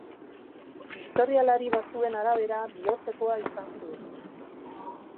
Historialari batzuen arabera bihotzekoa izan zuen.